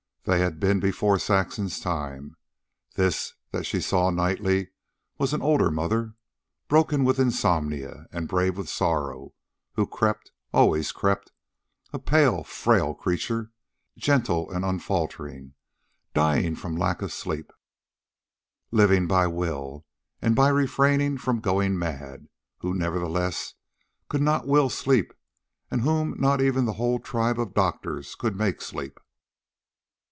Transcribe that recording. They had been before Saxon's time. This that she saw nightly was an older mother, broken with insomnia and brave with sorrow, who crept, always crept, a pale, frail creature, gentle and unfaltering, dying from lack of sleep, living by will, and by will refraining from going mad, who, nevertheless, could not will sleep, and whom not even the whole tribe of doctors could make sleep.